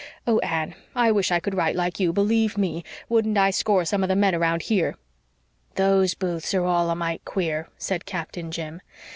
Oh, Anne, I wish I could write like you, believe ME. Wouldn't I score some of the men round here!" "Those Booths are all a mite queer," said Captain Jim.